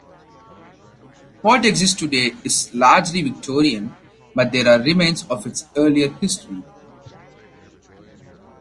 What exists today is largely Victorian, but there are remains of its earlier history.